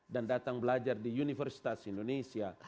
dan datang belajar di universitas indonesia